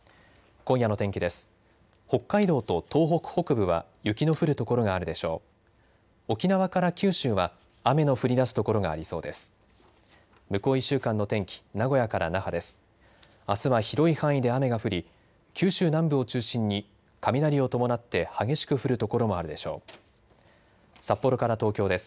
今夜の天気です。